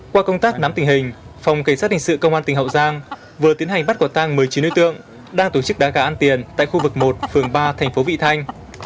qua công tác nắm tình hình phòng cảnh sát hình sự công an tỉnh hậu giang vừa tiến hành bắt quả tang một mươi chín đối tượng đang tổ chức đá gà ăn tiền tại khu vực một phường ba thành phố vị thanh